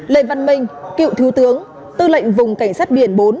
lê văn minh cựu thiếu tướng tư lệnh vùng cảnh sát biển bốn